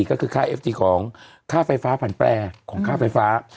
ก็คือค่าเอฟซีของค่าไฟฟ้าผันแปรของค่าไฟฟ้า